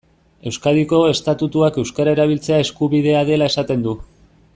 Euskadiko estatutuak euskara erabiltzea eskubidea dela esaten du.